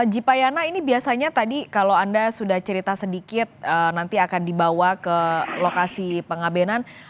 jipayana ini biasanya tadi kalau anda sudah cerita sedikit nanti akan dibawa ke lokasi pengabenan